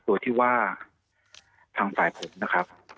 โดยที่ว่าทางฝ่ายผมนะครับ